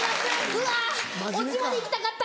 うわオチまでいきたかった。